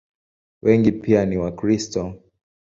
Wengi pia ni Wakristo.